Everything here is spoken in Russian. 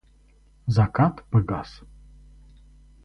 Закат погас.